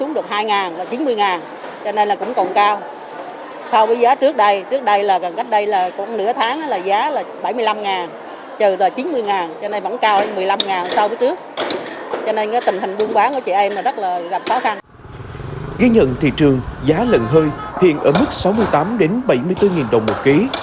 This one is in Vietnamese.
ghi nhận thị trường giá lợn hơi hiện ở mức sáu mươi tám bảy mươi bốn đồng một kg